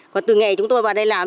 còn từ ngày chúng tôi vào đây làm